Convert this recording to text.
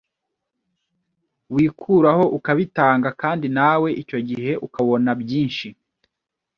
wikuraho ukabitanga kandi nawe icyo gihe ubona byinshi